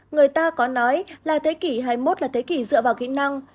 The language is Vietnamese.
người ta có nói là thế kỷ hai mươi một là thế kỷ dựa vào kỹ năng